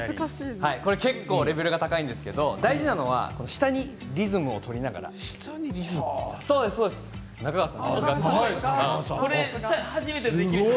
結構レベルが高いんですけれど大事なのは下にリズムを取りながらやることです。